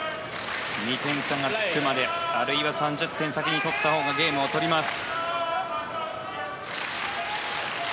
２点差がつくまであるいは３０点を先に取ったほうがゲームを取ります。